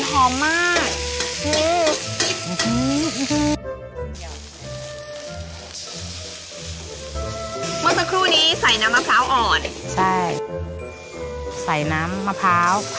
หอมมาก